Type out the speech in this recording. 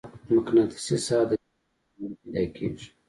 مقناطیسي ساحه د جریان له امله پیدا کېږي.